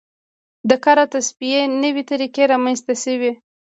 د کار او تصفیې نوې طریقې رامنځته شوې.